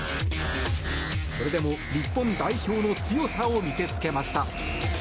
それでも日本代表の強さを見せつけました。